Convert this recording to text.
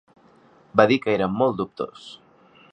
Va dir que era molt dubtós.